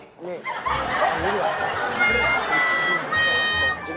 อย่างนี้เลย